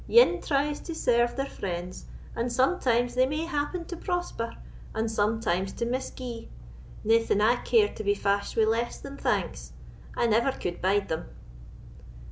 Ane tries to serve their friends, and sometimes they may happen to prosper, and sometimes to misgie. Naething I care to be fashed wi' less than thanks; I never could bide them."